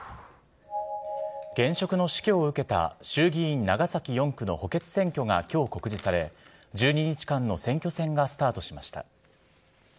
現職の死去を受けた、衆議院長崎４区の補欠選挙がきょう告示され、１２日間の選挙戦がスタートしました。